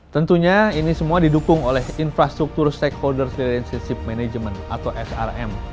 tentunya ini semua didukung oleh infrastruktur stakeholders leadership management atau srm